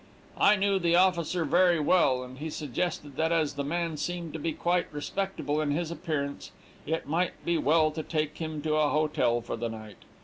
I knew the officer very well, and he suggested that as the man seemed to be quite respectable in his appearance, it might be well to take him to a hotel for the night.